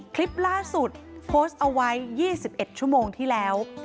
คลิปล่าสุดโพสต์เอาไว้๒๑ชั่วโมงที่แล้ว